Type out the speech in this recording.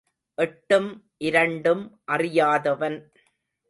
எட்டும் இரண்டும் அறியாதவன்.